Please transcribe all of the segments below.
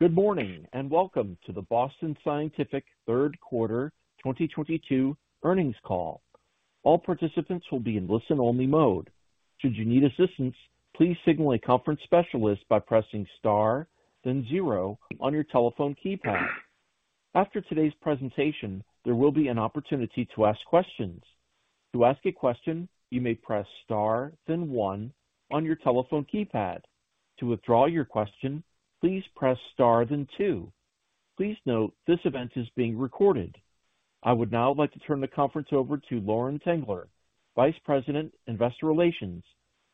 Good morning, and welcome to the Boston Scientific third quarter 2022 earnings call. All participants will be in listen-only mode. Should you need assistance, please signal a conference specialist by pressing star then zero on your telephone keypad. After today's presentation, there will be an opportunity to ask questions. To ask a question, you may press star then one on your telephone keypad. To withdraw your question, please press star then two. Please note this event is being recorded. I would now like to turn the conference over to Lauren Tengler, Vice President, Investor Relations.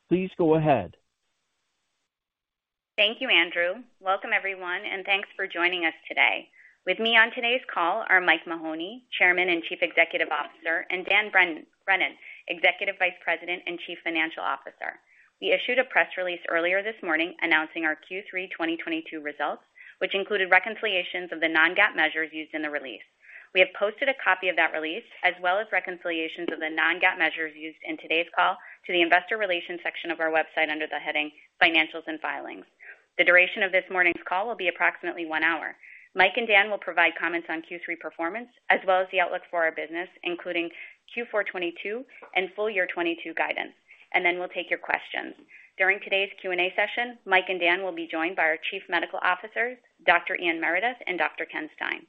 Please go ahead. Thank you, Andrew. Welcome, everyone, and thanks for joining us today. With me on today's call are Mike Mahoney, Chairman and Chief Executive Officer, and Dan Brennan, Executive Vice President and Chief Financial Officer. We issued a press release earlier this morning announcing our Q3 2022 results, which included reconciliations of the non-GAAP measures used in the release. We have posted a copy of that release, as well as reconciliations of the non-GAAP measures used in today's call to the investor relations section of our website under the heading Financials and Filings. The duration of this morning's call will be approximately one hour. Mike and Dan will provide comments on Q3 performance as well as the outlook for our business, including Q4 2022 and full year 2022 guidance, and then we'll take your questions. During today's Q&A session, Mike and Dan will be joined by our Chief Medical Officers, Dr. Ian Meredith and Dr. Ken Stein.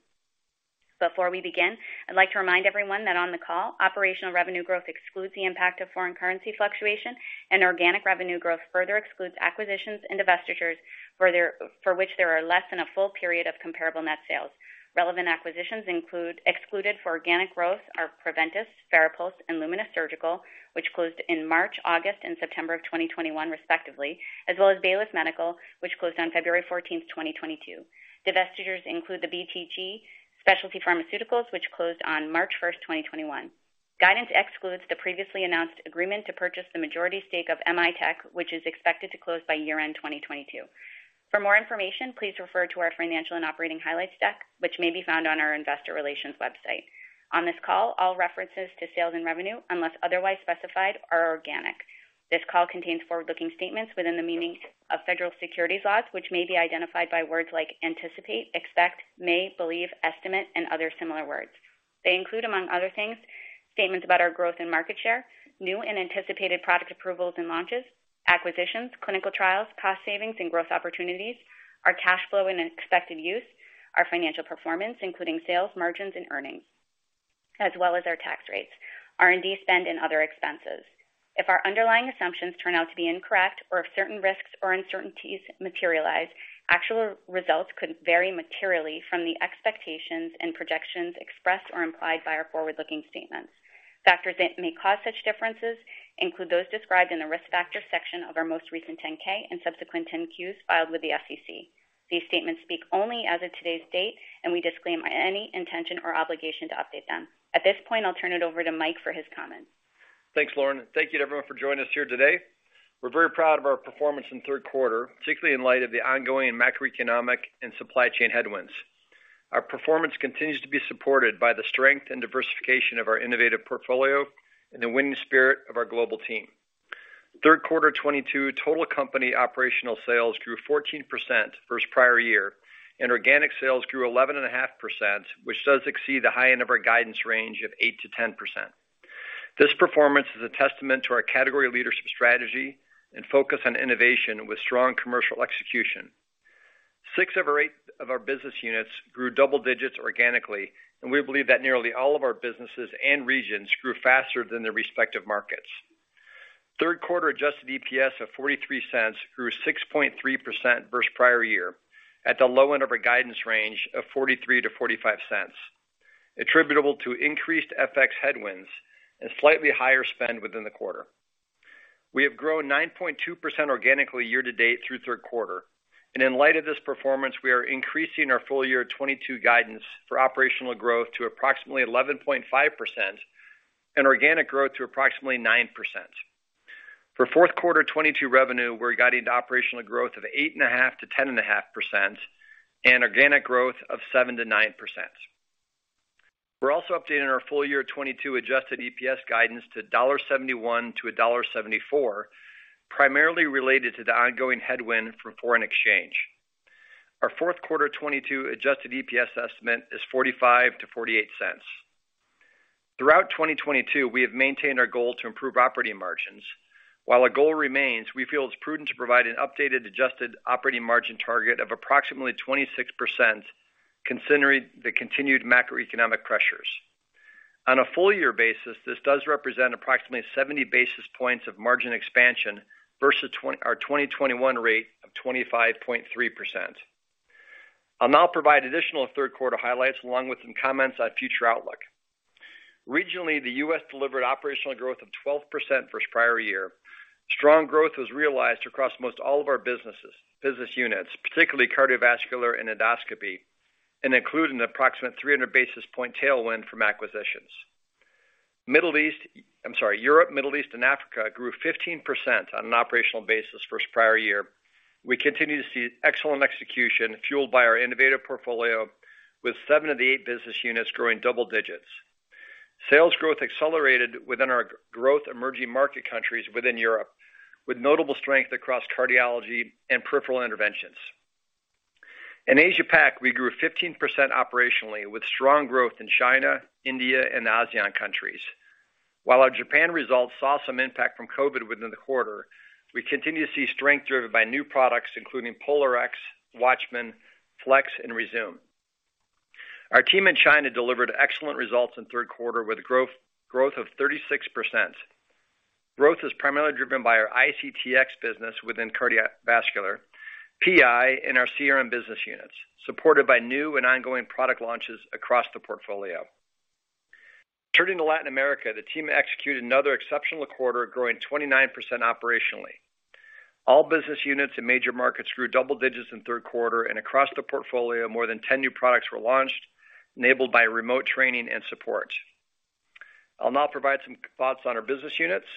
Before we begin, I'd like to remind everyone that on the call, operational revenue growth excludes the impact of foreign currency fluctuation and organic revenue growth further excludes acquisitions and divestitures for which there are less than a full period of comparable net sales. Excluded for organic growth are Preventice Solutions, FARAPULSE, and Lumenis Surgical, which closed in March, August, and September of 2021, respectively, as well as Baylis Medical Company, which closed on February 14th, 2022. Divestitures include the BTG Specialty Pharmaceuticals, which closed on March 1st, 2021. Guidance excludes the previously announced agreement to purchase the majority stake of M.I.Tech, which is expected to close by year-end 2022. For more information, please refer to our financial and operating highlights deck, which may be found on our investor relations website. On this call, all references to sales and revenue, unless otherwise specified, are organic. This call contains forward-looking statements within the meaning of federal securities laws, which may be identified by words like anticipate, expect, may, believe, estimate, and other similar words. They include, among other things, statements about our growth and market share, new and anticipated product approvals and launches, acquisitions, clinical trials, cost savings and growth opportunities, our cash flow and expected use, our financial performance, including sales, margins and earnings, as well as our tax rates, R&D spend and other expenses. If our underlying assumptions turn out to be incorrect or if certain risks or uncertainties materialize, actual results could vary materially from the expectations and projections expressed or implied by our forward-looking statements. Factors that may cause such differences include those described in the Risk Factors section of our most recent 10-K and subsequent 10-Qs filed with the SEC. These statements speak only as of today's date, and we disclaim any intention or obligation to update them. At this point, I'll turn it over to Mike for his comments. Thanks, Lauren. Thank you to everyone for joining us here today. We're very proud of our performance in third quarter, particularly in light of the ongoing macroeconomic and supply chain headwinds. Our performance continues to be supported by the strength and diversification of our innovative portfolio and the winning spirit of our global team. Third quarter 2022 total company operational sales grew 14% versus prior year, and organic sales grew 11.5%, which does exceed the high end of our guidance range of 8%-10%. This performance is a testament to our category leadership strategy and focus on innovation with strong commercial execution. Six of our eight business units grew double digits organically, and we believe that nearly all of our businesses and regions grew faster than their respective markets. Third-quarter adjusted EPS of $0.43 grew 6.3% versus prior year at the low end of our guidance range of $0.43-$0.45, attributable to increased FX headwinds and slightly higher spend within the quarter. We have grown 9.2% organically year to date through third quarter. In light of this performance, we are increasing our full-year 2022 guidance for operational growth to approximately 11.5% and organic growth to approximately 9%. For fourth-quarter 2022 revenue, we're guiding to operational growth of 8.5%-10.5% and organic growth of 7%-9%. We're also updating our full-year 2022 adjusted EPS guidance to $1.71-$1.74, primarily related to the ongoing headwind from foreign exchange. Our fourth-quarter 2022 adjusted EPS estimate is $0.45-$0.48. Throughout 2022, we have maintained our goal to improve operating margins. While our goal remains, we feel it's prudent to provide an updated adjusted operating margin target of approximately 26% considering the continued macroeconomic pressures. On a full year basis, this does represent approximately 70 basis points of margin expansion versus our 2021 rate of 25.3%. I'll now provide additional third quarter highlights along with some comments on future outlook. Regionally, the U.S. delivered operational growth of 12% versus prior year. Strong growth was realized across most all of our business units, particularly cardiovascular and endoscopy, and including an approximate 300 basis point tailwind from acquisitions. Europe, Middle East and Africa grew 15% on an operational basis versus prior year. We continue to see excellent execution fueled by our innovative portfolio with seven of the eight business units growing double digits. Sales growth accelerated within our growth emerging market countries within Europe, with notable strength across cardiology and peripheral interventions. In Asia Pac, we grew 15% operationally with strong growth in China, India and ASEAN countries. While our Japan results saw some impact from COVID within the quarter, we continue to see strength driven by new products including POLARx, WATCHMAN FLX and Rezūm. Our team in China delivered excellent results in third quarter with growth of 36%. Growth is primarily driven by our IC business within cardiovascular, PI and our CRM business units, supported by new and ongoing product launches across the portfolio. Turning to Latin America, the team executed another exceptional quarter, growing 29% operationally. All business units and major markets grew double digits in third quarter and across the portfolio more than 10 new products were launched, enabled by remote training and support. I'll now provide some thoughts on our business units,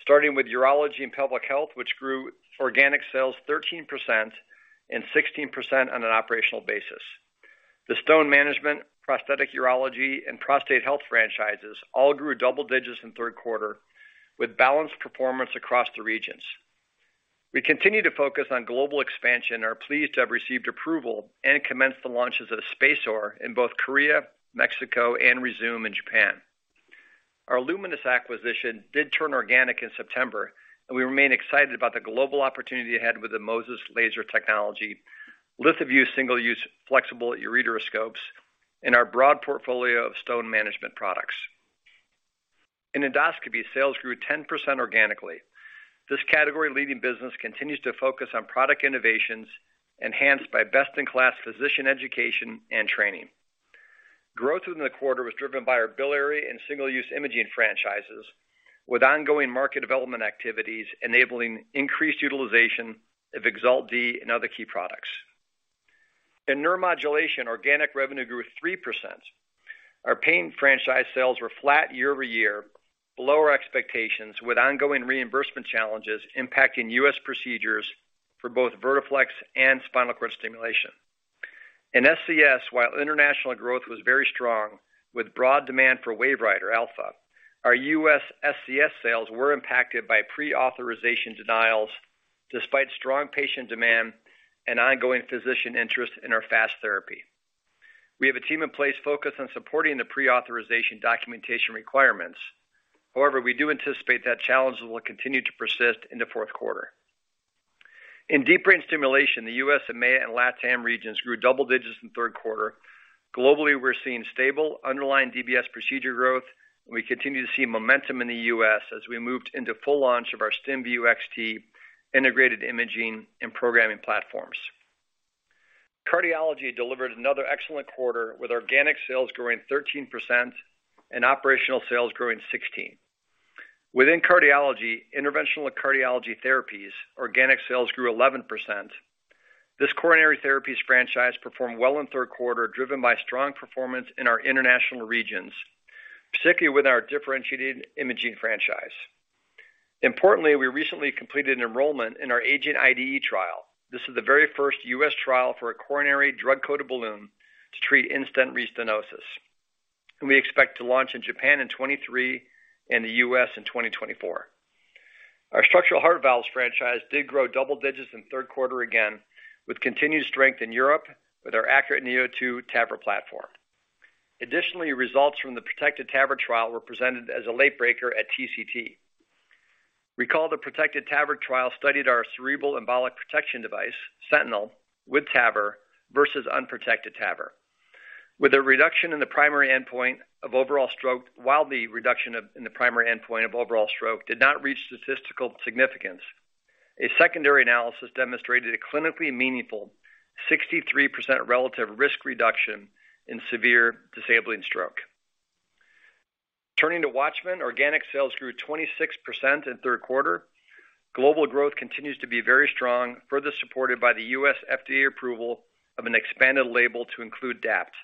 starting with Urology and Pelvic Health, which grew organic sales 13% and 16% on an operational basis. The stone management, Prosthetic Urology and Prostate Health franchises all grew double digits in third quarter with balanced performance across the regions. We continue to focus on global expansion and are pleased to have received approval and commenced the launches of SpaceOAR in both Korea, Mexico and Rezūm in Japan. Our Lumenis acquisition did turn organic in September, and we remain excited about the global opportunity ahead with the MOSES laser technology, LithoVue single-use flexible ureteroscopes, and our broad portfolio of stone management products. In endoscopy, sales grew 10% organically. This category leading business continues to focus on product innovations enhanced by best in class physician education and training. Growth within the quarter was driven by our biliary and single-use imaging franchises, with ongoing market development activities enabling increased utilization of EXALT D and other key products. In neuromodulation, organic revenue grew 3%. Our pain franchise sales were flat year-over-year, below our expectations, with ongoing reimbursement challenges impacting U.S. procedures for both Vertiflex and Spinal Cord Stimulation. In SCS, while international growth was very strong with broad demand for WaveWriter Alpha, our U.S. SCS sales were impacted by pre-authorization denials despite strong patient demand and ongoing physician interest in our fast therapy. We have a team in place focused on supporting the pre-authorization documentation requirements. However, we do anticipate that challenges will continue to persist into fourth quarter. In Deep Brain Stimulation, the U.S. and EMEA and LACA regions grew double digits in third quarter. Globally, we're seeing stable underlying DBS procedure growth, and we continue to see momentum in the U.S. as we moved into full launch of our STIMVIEW XT integrated imaging and programming platforms. Cardiology delivered another excellent quarter, with organic sales growing 13% and operational sales growing 16%. Within cardiology, interventional cardiology therapies, organic sales grew 11%. This coronary therapies franchise performed well in third quarter, driven by strong performance in our international regions, particularly with our differentiated imaging franchise. Importantly, we recently completed an enrollment in our AGENT IDE trial. This is the very first U.S. trial for a coronary drug-coated balloon to treat in-stent restenosis, and we expect to launch in Japan in 2023 and the US in 2024. Our structural heart valves franchise did grow double digits in third quarter again with continued strength in Europe with our ACURATE neo2 TAVR platform. Additionally, results from the PROTECTED TAVR trial were presented as a late breaker at TCT. Recall the PROTECTED TAVR trial studied our cerebral embolic protection device, SENTINEL, with TAVR versus unprotected TAVR. With a reduction in the primary endpoint of overall stroke, while the reduction in the primary endpoint of overall stroke did not reach statistical significance, a secondary analysis demonstrated a clinically meaningful 63% relative risk reduction in severe disabling stroke. Turning to WATCHMAN, organic sales grew 26% in third quarter. Global growth continues to be very strong, further supported by the US FDA approval of an expanded label to include DAPT,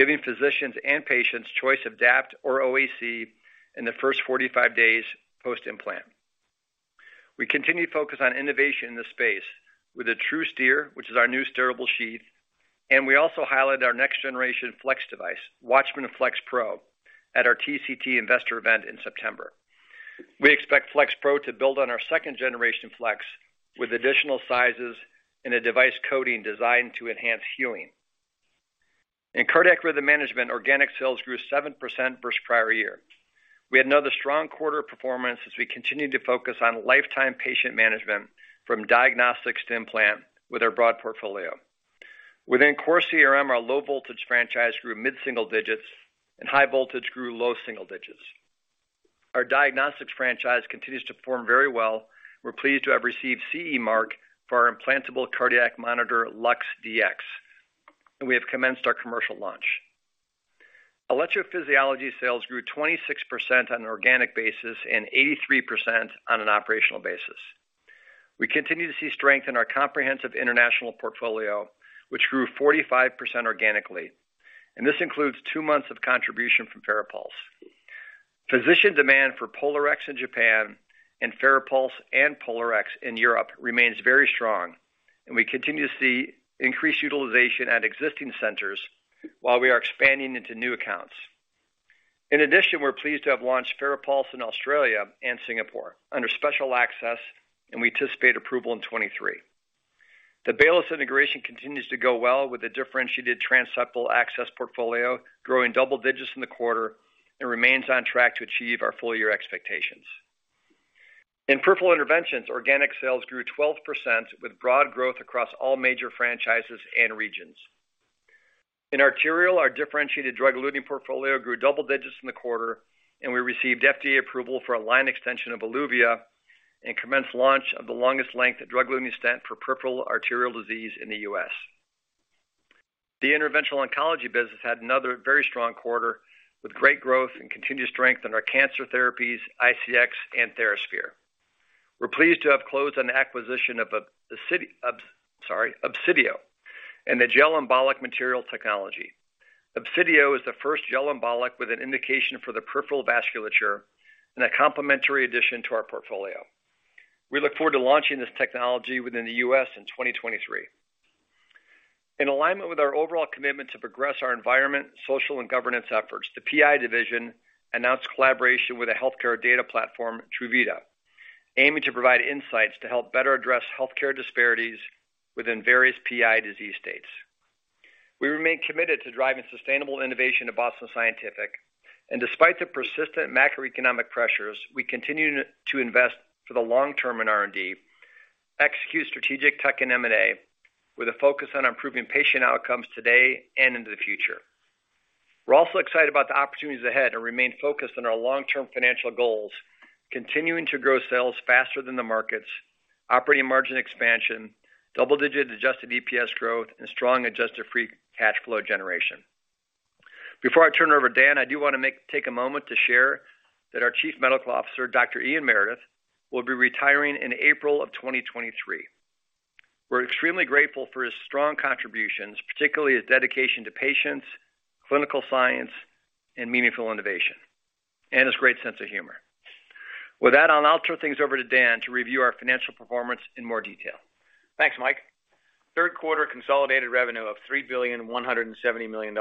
giving physicians and patients choice of DAPT or OAC in the first 45 days post-implant. We continue to focus on innovation in this space with the TruSteer, which is our new steerable sheath, and we also highlighted our next generation FLX device, WATCHMAN FLX Pro, at our TCT Investor Event in September. We expect FLX Pro to build on our second generation FLX with additional sizes and a device coating designed to enhance healing. In cardiac rhythm management, organic sales grew 7% versus prior year. We had another strong quarter of performance as we continued to focus on lifetime patient management from diagnostics to implant with our broad portfolio. Within core CRM, our low voltage franchise grew mid-single digits and high voltage grew low single digits. Our diagnostics franchise continues to perform very well. We're pleased to have received CE mark for our implantable cardiac monitor, LUX-Dx, and we have commenced our commercial launch. Electrophysiology sales grew 26% on an organic basis and 83% on an operational basis. We continue to see strength in our comprehensive international portfolio, which grew 45% organically, and this includes 2 months of contribution from FARAPULSE. Physician demand for POLARx in Japan and FARAPULSE and POLARx in Europe remains very strong, and we continue to see increased utilization at existing centers while we are expanding into new accounts. In addition, we're pleased to have launched FARAPULSE in Australia and Singapore under special access, and we anticipate approval in 2023. The Baylis integration continues to go well with the differentiated transseptal access portfolio growing double digits in the quarter and remains on track to achieve our full year expectations. In peripheral interventions, organic sales grew 12% with broad growth across all major franchises and regions. In arterial, our differentiated drug-eluting portfolio grew double digits in the quarter, and we received FDA approval for a line extension of Eluvia and commenced launch of the longest length drug-eluting stent for peripheral arterial disease in the U.S. The interventional oncology business had another very strong quarter with great growth and continuous strength in our cancer therapies, ICEfx and TheraSphere. We're pleased to have closed on the acquisition of Obsidio and the gel embolic material technology. Obsidio is the first gel embolic with an indication for the peripheral vasculature and a complementary addition to our portfolio. We look forward to launching this technology within the U.S. in 2023. In alignment with our overall commitment to progress our environment, social, and governance efforts, the PI division announced collaboration with a healthcare data platform, Truveta, aiming to provide insights to help better address healthcare disparities within various PI disease states. We remain committed to driving sustainable innovation at Boston Scientific, and despite the persistent macroeconomic pressures, we continue to invest for the long term in R&D, execute strategic tech and M&A with a focus on improving patient outcomes today and into the future. We're also excited about the opportunities ahead and remain focused on our long-term financial goals, continuing to grow sales faster than the markets, operating margin expansion, double-digit adjusted EPS growth, and strong adjusted free cash flow generation. Before I turn it over to Dan, I do want to take a moment to share that our Chief Medical Officer, Dr. Ian Meredith will be retiring in April of 2023. We're extremely grateful for his strong contributions, particularly his dedication to patients, clinical science, and meaningful innovation, and his great sense of humor. With that, I'll now turn things over to Dan to review our financial performance in more detail. Thanks, Mike. Third quarter consolidated revenue of $3.17 billion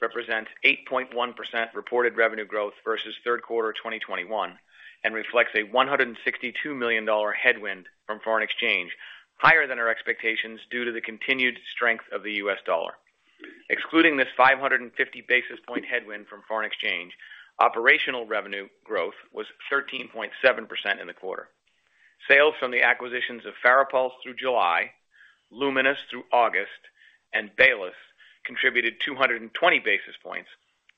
represents 8.1% reported revenue growth versus third quarter 2021 and reflects a $162 million headwind from foreign exchange, higher than our expectations due to the continued strength of the US dollar. Excluding this 550 basis point headwind from foreign exchange, operational revenue growth was 13.7% in the quarter. Sales from the acquisitions of FARAPULSE through July, Lumenis through August, and Baylis contributed 220 basis points,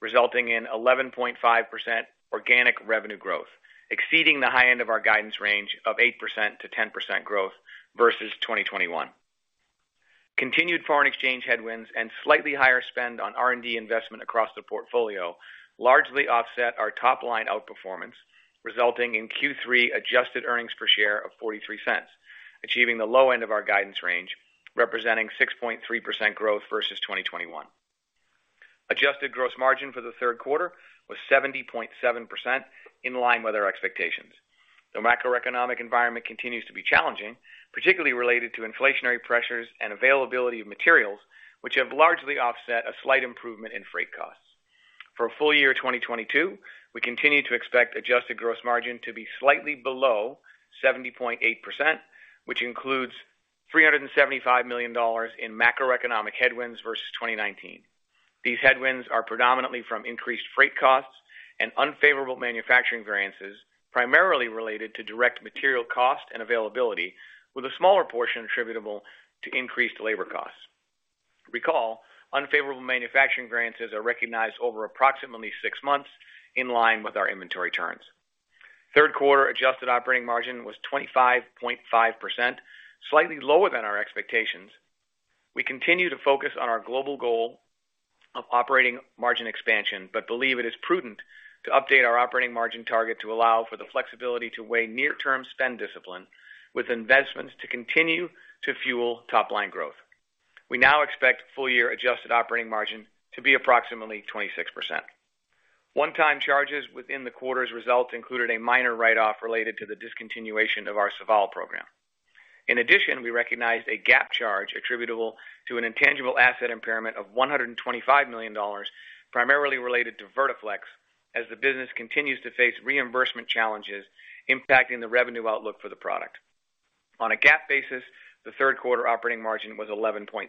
resulting in 11.5% organic revenue growth, exceeding the high end of our guidance range of 8%-10% growth versus 2021. Continued foreign exchange headwinds and slightly higher spend on R&D investment across the portfolio largely offset our top line outperformance, resulting in Q3 adjusted earnings per share of $0.43, achieving the low end of our guidance range, representing 6.3% growth versus 2021. Adjusted gross margin for the third quarter was 70.7% in line with our expectations. The macroeconomic environment continues to be challenging, particularly related to inflationary pressures and availability of materials, which have largely offset a slight improvement in freight costs. For full year 2022, we continue to expect adjusted gross margin to be slightly below 70.8%, which includes $375 million in macroeconomic headwinds versus 2019. These headwinds are predominantly from increased freight costs and unfavorable manufacturing variances, primarily related to direct material cost and availability, with a smaller portion attributable to increased labor costs. Recall, unfavorable manufacturing variances are recognized over approximately six months in line with our inventory turns. Third quarter adjusted operating margin was 25.5%, slightly lower than our expectations. We continue to focus on our global goal of operating margin expansion, but believe it is prudent to update our operating margin target to allow for the flexibility to weigh near-term spend discipline with investments to continue to fuel top line growth. We now expect full year adjusted operating margin to be approximately 26%. One-time charges within the quarter's results included a minor write-off related to the discontinuation of our CEVAL program. In addition, we recognized a GAAP charge attributable to an intangible asset impairment of $125 million, primarily related to Vertiflex, as the business continues to face reimbursement challenges impacting the revenue outlook for the product. On a GAAP basis, the third quarter operating margin was 11.3%.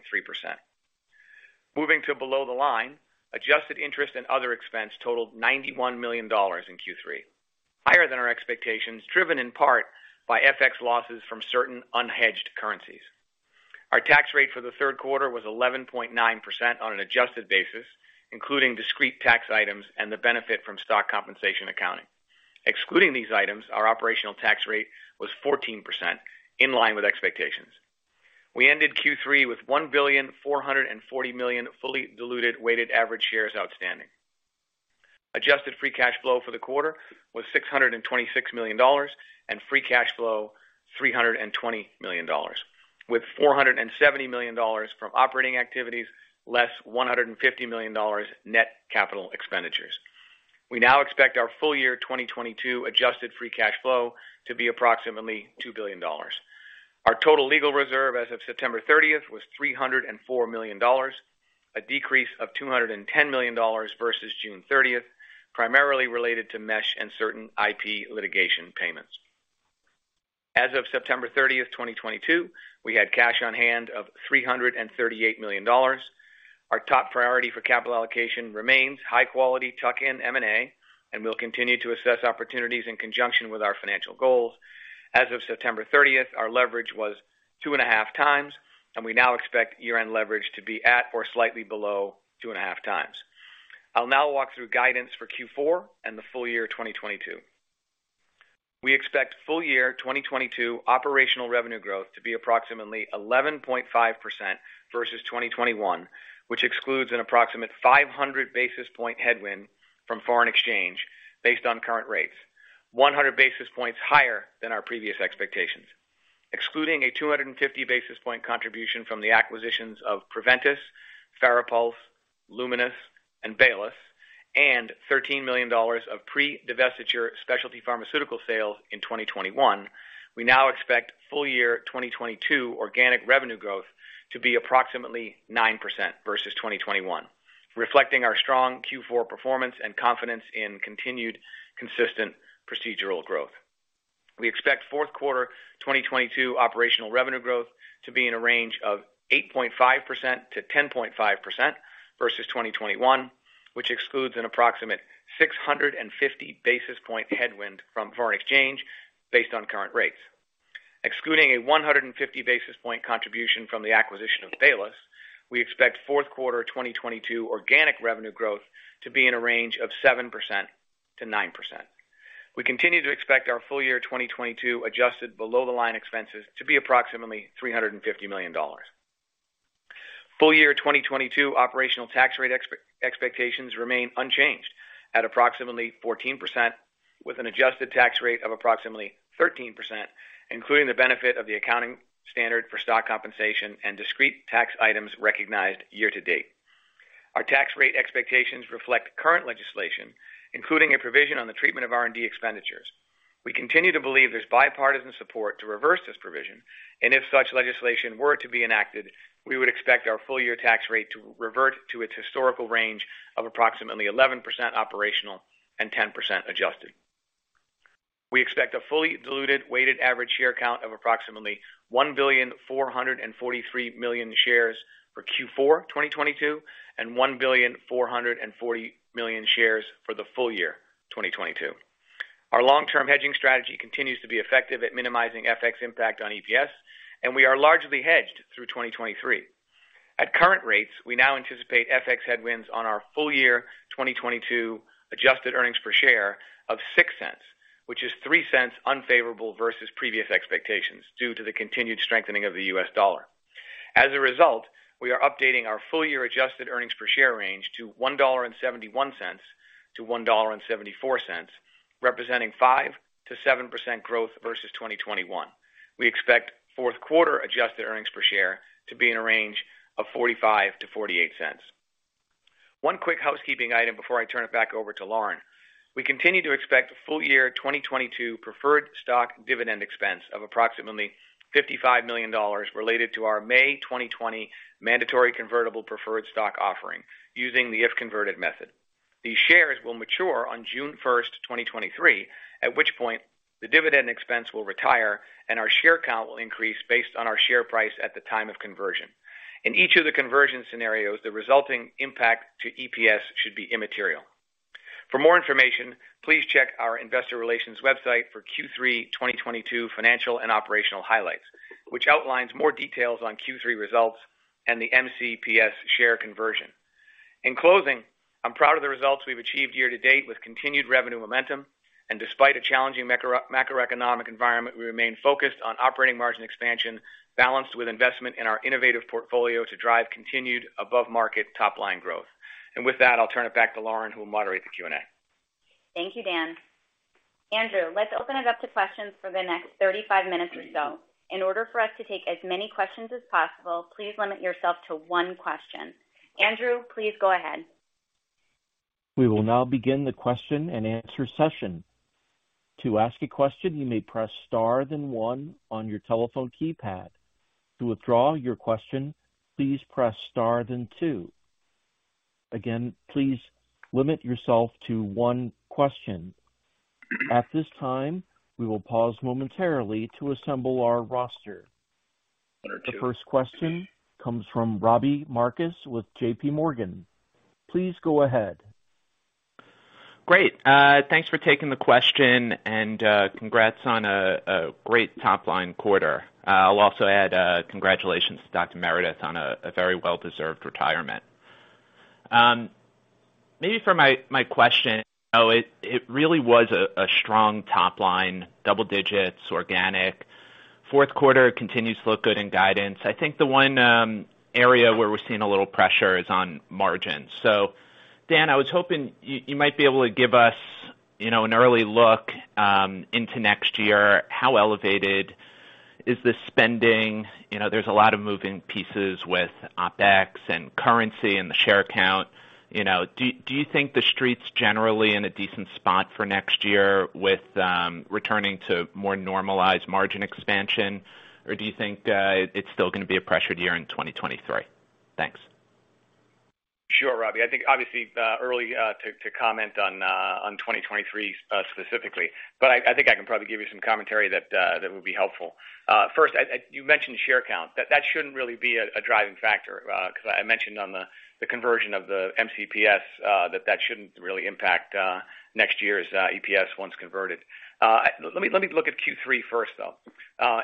Moving to below the line, adjusted interest and other expense totaled $91 million in Q3, higher than our expectations, driven in part by FX losses from certain unhedged currencies. Our tax rate for the third quarter was 11.9% on an adjusted basis, including discrete tax items and the benefit from stock compensation accounting. Excluding these items, our operational tax rate was 14% in line with expectations. We ended Q3 with 1.44 billion fully diluted weighted average shares outstanding. Adjusted free cash flow for the quarter was $626 million, and free cash flow $320 million, with $470 million from operating activities, less $150 million net capital expenditures. We now expect our full year 2022 adjusted free cash flow to be approximately $2 billion. Our total legal reserve as of September 30th was $304 million, a decrease of $210 million versus June 30, primarily related to mesh and certain IP litigation payments. As of September 30, 2022, we had cash on hand of $338 million. Our top priority for capital allocation remains high quality tuck-in M&A, and we'll continue to assess opportunities in conjunction with our financial goals. As of September thirtieth, our leverage was two and a half times, and we now expect year-end leverage to be at or slightly below two and a half times. I'll now walk through guidance for Q4 and the full year 2022. We expect full year 2022 operational revenue growth to be approximately 11.5% versus 2021, which excludes an approximate 500 basis point headwind from foreign exchange based on current rates, 100 basis points higher than our previous expectations. Excluding a 250 basis point contribution from the acquisitions of Preventice, FARAPULSE, Lumenis, and Baylis, and $13 million of pre-divestiture specialty pharmaceutical sales in 2021, we now expect full year 2022 organic revenue growth to be approximately 9% versus 2021, reflecting our strong Q4 performance and confidence in continued consistent procedural growth. We expect fourth quarter 2022 operational revenue growth to be in a range of 8.5%-10.5% versus 2021, which excludes an approximate 650 basis points headwind from foreign exchange based on current rates. Excluding a 150 basis points contribution from the acquisition of Baylis, we expect fourth quarter 2022 organic revenue growth to be in a range of 7%-9%. We continue to expect our full year 2022 adjusted below-the-line expenses to be approximately $350 million. Full year 2022 operational tax rate expectations remain unchanged at approximately 14% with an adjusted tax rate of approximately 13%, including the benefit of the accounting standard for stock compensation and discrete tax items recognized year to date. Our tax rate expectations reflect current legislation, including a provision on the treatment of R&D expenditures. We continue to believe there's bipartisan support to reverse this provision, and if such legislation were to be enacted, we would expect our full year tax rate to revert to its historical range of approximately 11% operational and 10% adjusted. We expect a fully diluted weighted average share count of approximately 1,443 million shares for Q4 2022 and 1,440 million shares for the full year 2022. Our long-term hedging strategy continues to be effective at minimizing FX impact on EPS, and we are largely hedged through 2023. At current rates, we now anticipate FX headwinds on our full year 2022 adjusted earnings per share of $0.06, which is $0.03 unfavorable versus previous expectations due to the continued strengthening of the US dollar. As a result, we are updating our full year adjusted earnings per share range to $1.71-$1.74, representing 5%-7% growth versus 2021. We expect fourth quarter adjusted earnings per share to be in a range of $0.45-$0.48. One quick housekeeping item before I turn it back over to Lauren. We continue to expect full year 2022 preferred stock dividend expense of approximately $55 million related to our May 2020 mandatory convertible preferred stock offering using the if converted method. These shares will mature on June 1st, 2023, at which point the dividend expense will retire and our share count will increase based on our share price at the time of conversion. In each of the conversion scenarios, the resulting impact to EPS should be immaterial. For more information, please check our investor relations website for Q3 2022 financial and operational highlights, which outlines more details on Q3 results and the MCPS share conversion. In closing, I'm proud of the results we've achieved year to date with continued revenue momentum. Despite a challenging macroeconomic environment, we remain focused on operating margin expansion balanced with investment in our innovative portfolio to drive continued above market top-line growth. With that, I'll turn it back to Lauren, who will moderate the Q&A. Thank you, Dan. Andrew, let's open it up to questions for the next 35 minutes or so. In order for us to take as many questions as possible, please limit yourself to one question. Andrew, please go ahead. We will now begin the question and answer session. To ask a question, you may press star then one on your telephone keypad. To withdraw your question, please press star then two. Again, please limit yourself to one question. At this time, we will pause momentarily to assemble our roster. The first question comes from Robbie Marcus with JPMorgan. Please go ahead. Great. Thanks for taking the question and, congrats on a great top line quarter. I'll also add, congratulations to Dr. Meredith on a very well-deserved retirement. Maybe for my question. It really was a strong top line, double digits, organic. Fourth quarter continues to look good in guidance. I think the one area where we're seeing a little pressure is on margins. Dan, I was hoping you might be able to give us. You know, an early look into next year, how elevated is the spending? You know, there's a lot of moving pieces with OpEx and currency and the share count. You know, do you think the street's generally in a decent spot for next year with returning to more normalized margin expansion? Do you think it's still gonna be a pressured year in 2023? Thanks. Sure, Robbie. I think obviously early to comment on 2023 specifically, but I think I can probably give you some commentary that would be helpful. First, you mentioned share count. That shouldn't really be a driving factor, 'cause I mentioned on the conversion of the MCPS that shouldn't really impact next year's EPS once converted. Let me look at Q3 first, though.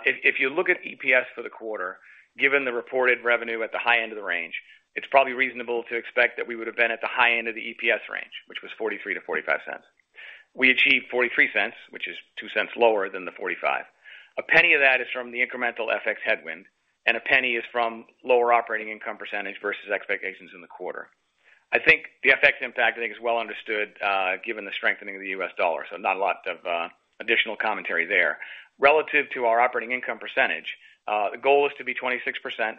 If you look at EPS for the quarter, given the reported revenue at the high end of the range, it's probably reasonable to expect that we would have been at the high end of the EPS range, which was $0.43-$0.45. We achieved $0.43, which is $0.02 lower than the $0.45. A penny of that is from the incremental FX headwind, and a penny is from lower operating income percentage versus expectations in the quarter. I think the FX impact is well understood, given the strengthening of the U.S. dollar, so not a lot of additional commentary there. Relative to our operating income percentage, the goal is to be 26%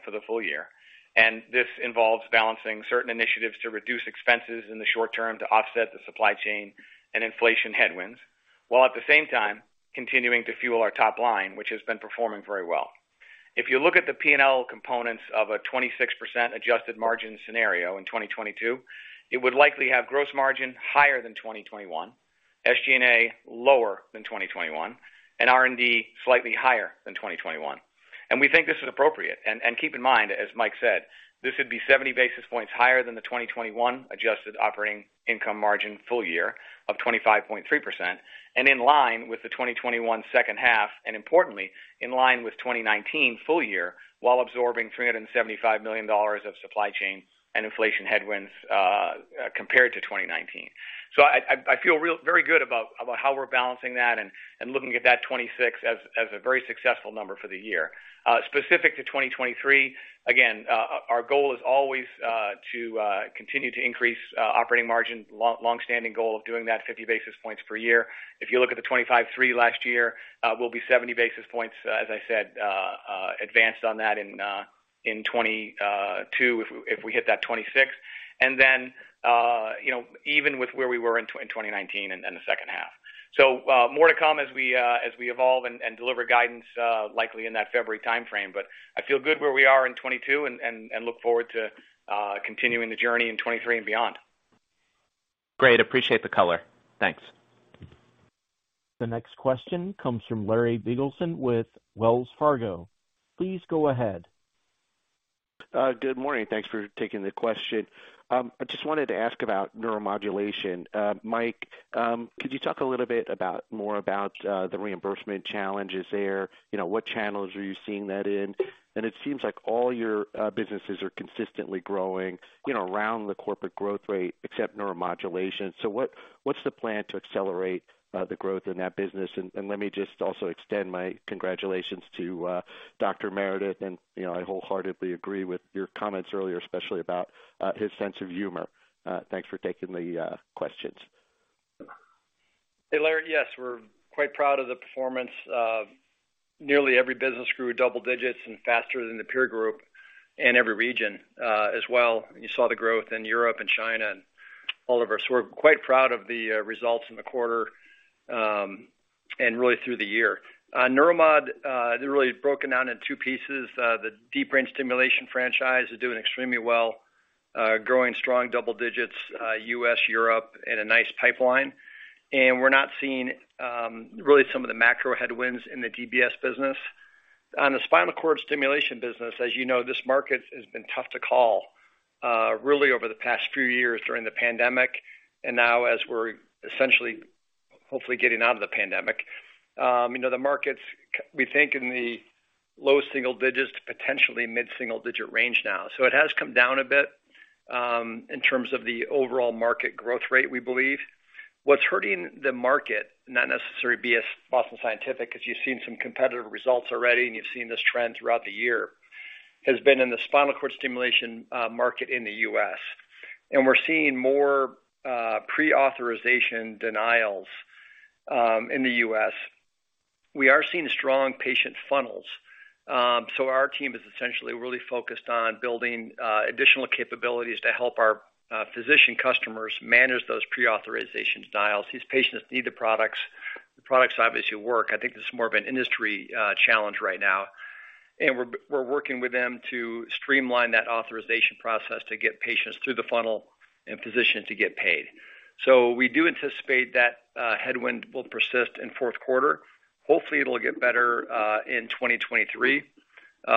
for the full year, and this involves balancing certain initiatives to reduce expenses in the short term to offset the supply chain and inflation headwinds, while at the same time continuing to fuel our top line, which has been performing very well. If you look at the P&L components of a 26% adjusted margin scenario in 2022, it would likely have gross margin higher than 2021, SG&A lower than 2021, and R&D slightly higher than 2021. We think this is appropriate. Keep in mind, as Mike said, this would be 70 basis points higher than the 2021 adjusted operating income margin full year of 25.3% and in line with the 2021 second half, and importantly, in line with 2019 full year while absorbing $375 million of supply chain and inflation headwinds compared to 2019. I feel very good about how we're balancing that and looking at that 26 as a very successful number for the year. Specific to 2023, again, our goal is always to continue to increase operating margin, long-standing goal of doing that 50 basis points per year. If you look at the 25.3 last year, we'll be 70 basis points ahead on that in 2022 if we hit that 26. Then you know, even with where we were in 2019 in the second half. More to come as we evolve and deliver guidance likely in that February timeframe. I feel good where we are in 2022 and look forward to continuing the journey in 2023 and beyond. Great. Appreciate the color. Thanks. The next question comes from Larry Biegelsen with Wells Fargo. Please go ahead. Good morning. Thanks for taking the question. I just wanted to ask about neuromodulation. Mike, could you talk a little bit more about the reimbursement challenges there? You know, what channels are you seeing that in? It seems like all your businesses are consistently growing, you know, around the corporate growth rate, except neuromodulation. What is the plan to accelerate the growth in that business? Let me just also extend my congratulations to Dr. Meredith. You know, I wholeheartedly agree with your comments earlier, especially about his sense of humor. Thanks for taking the questions. Hey, Larry. Yes, we're quite proud of the performance of nearly every business grew double digits and faster than the peer group in every region, as well. You saw the growth in Europe and China and all of Asia. We're quite proud of the results in the quarter, and really through the year. Neuromodulation really broken down in two pieces. The Deep Brain Stimulation franchise is doing extremely well, growing strong double digits, US, Europe, and a nice pipeline. We're not really seeing some of the macro headwinds in the DBS business. On the Spinal Cord Stimulation business, as you know, this market has been tough overall, really over the past few years during the pandemic, and now as we're essentially, hopefully, getting out of the pandemic. You know, the markets we think in the low single digits to potentially mid-single-digit range now. It has come down a bit, in terms of the overall market growth rate, we believe. What's hurting the market, not necessarily us at Boston Scientific, as you've seen some competitive results already and you've seen this trend throughout the year, has been in the Spinal Cord Stimulation market in the U.S. We're seeing more prior-authorization denials in the U.S. We are seeing strong patient funnels. Our team is essentially really focused on building additional capabilities to help our physician customers manage those prior-authorization denials. These patients need the products. The products obviously work. I think this is more of an industry challenge right now, and we're working with them to streamline that authorization process to get patients through the funnel and physicians to get paid. We do anticipate that headwind will persist in fourth quarter. Hopefully, it'll get better in 2023. We,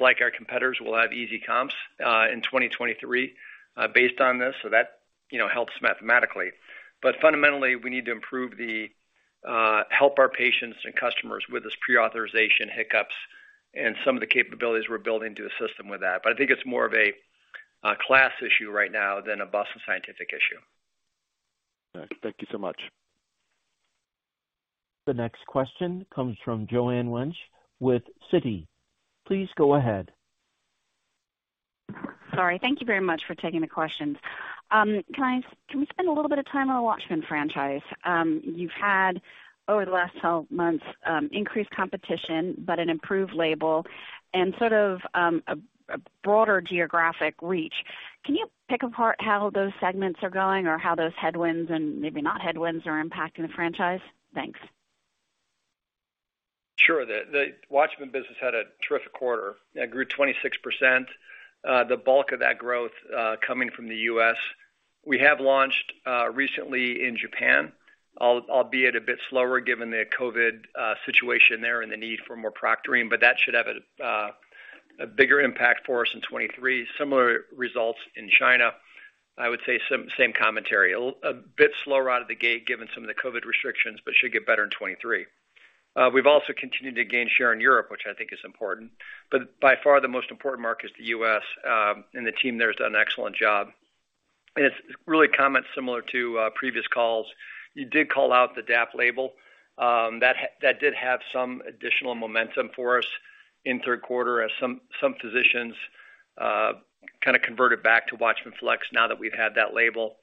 like our competitors, will have easy comps in 2023 based on this, so that, you know, helps mathematically. Fundamentally, we need to improve to help our patients and customers with this pre-authorization hiccups and some of the capabilities we're building to assist them with that. I think it's more of a class issue right now than a Boston Scientific issue. All right. Thank you so much. The next question comes from Joanne Wuensch with Citi. Please go ahead. Sorry. Thank you very much for taking the questions. Can we spend a little bit of time on the WATCHMAN franchise? You've had over the last 12 months increased competition but an improved label and sort of a broader geographic reach. Can you pick apart how those segments are going or how those headwinds and maybe not headwinds are impacting the franchise? Thanks. Sure. The WATCHMAN business had a terrific quarter. It grew 26%. The bulk of that growth coming from the U.S. We have launched recently in Japan, albeit a bit slower given the COVID situation there and the need for more proctoring, but that should have a bigger impact for us in 2023. Similar results in China. I would say same commentary. A bit slower out of the gate given some of the COVID restrictions, but should get better in 2023. We've also continued to gain share in Europe, which I think is important, but by far the most important market is the U.S., and the team there has done an excellent job. It's really comments similar to previous calls. You did call out the DAPT label, that did have some additional momentum for us in third quarter as some physicians kinda converted back to WATCHMAN FLX now that we've had that label.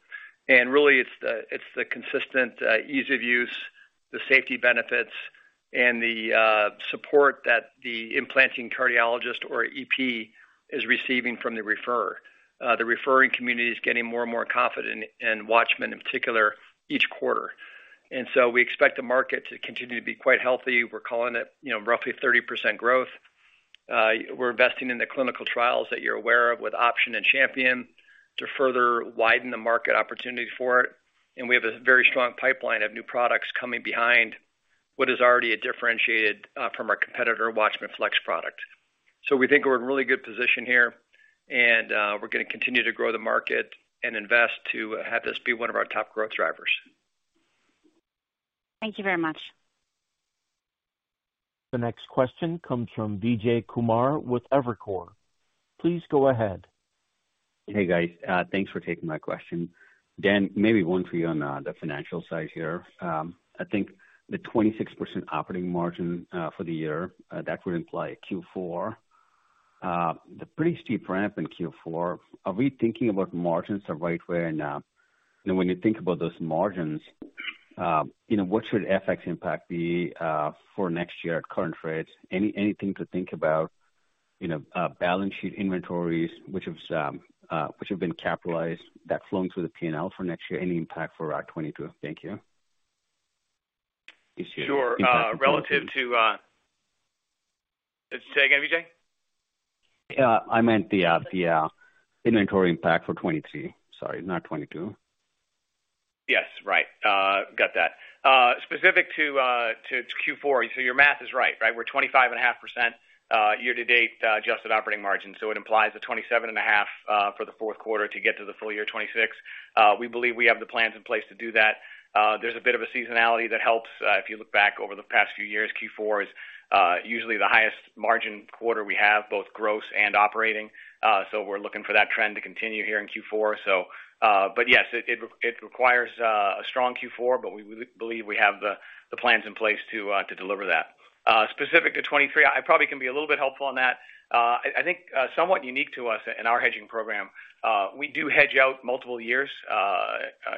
Really it's the consistent ease of use, the safety benefits and the support that the implanting cardiologist or EP is receiving from the referrer. The referring community is getting more and more confident in WATCHMAN in particular each quarter. We expect the market to continue to be quite healthy. We're calling it, you know, roughly 30% growth. We're investing in the clinical trials that you're aware of with OPTION and CHAMPION-AF to further widen the market opportunity for it. We have a very strong pipeline of new products coming behind what is already a differentiated from our competitor, WATCHMAN FLX product. We think we're in a really good position here, and we're gonna continue to grow the market and invest to have this be one of our top growth drivers. Thank you very much. The next question comes from Vijay Kumar with Evercore. Please go ahead. Hey, guys. Thanks for taking my question. Dan, maybe one for you on the financial side here. I think the 26% operating margin for the year that would imply Q4 the pretty steep ramp in Q4. Are we thinking about margins are right where now? And when you think about those margins, you know, what should FX impact be for next year at current rates? Anything to think about, you know, balance sheet inventories which have been capitalized that flowing through the P&L for next year, any impact for 2022? Thank you. Sure. Relative to, say again, Vijay. Yeah. I meant the inventory impact for 2023. Sorry, not 2022. Yes. Right. Got that. Specific to Q4. Your math is right. Right? We're 25.5%, year to date, adjusted operating margin. It implies a 27.5% for the fourth quarter to get to the full year 26%. We believe we have the plans in place to do that. There's a bit of a seasonality that helps. If you look back over the past few years, Q4 is usually the highest margin quarter we have, both gross and operating. We're looking for that trend to continue here in Q4. But yes, it requires a strong Q4, but we believe we have the plans in place to deliver that. Specific to 2023, I probably can be a little bit helpful on that. I think, somewhat unique to us in our hedging program, we do hedge out multiple years